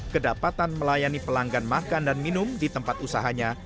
kedapatan melayani pelanggan makan dan minum di tempat usahanya